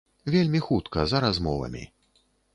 Вельмі хутка, за размовамі.